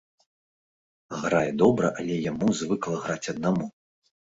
Грае добра, але яму звыкла граць аднаму.